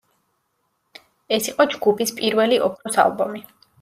ეს იყო ჯგუფის პირველი ოქროს ალბომი.